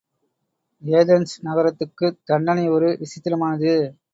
Athens நகரத்துக்குத் தண்டனை ஒரு விசித்திரமானது.